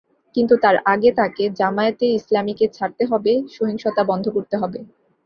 কিন্তু তার আগে তাঁকে জামায়াতে ইসলামীকে ছাড়তে হবে, সহিংসতা বন্ধ করতে হবে।